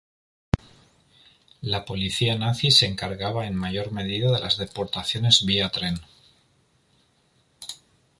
La policía nazi se encargaba en mayor medida de las deportaciones vía tren.